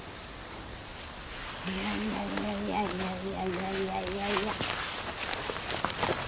いやいやいやいや。